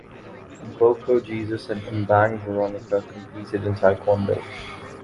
Boko Jesus and Mbang Veronica competed in Taekwondo.